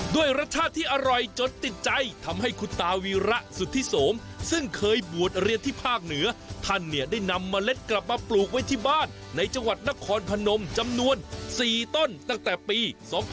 ด้วยรสชาติที่อร่อยจนติดใจทำให้คุณตาวีระสุธิโสมซึ่งเคยบวชเรียนที่ภาคเหนือท่านเนี่ยได้นำเมล็ดกลับมาปลูกไว้ที่บ้านในจังหวัดนครพนมจำนวน๔ต้นตั้งแต่ปี๒๕๖๒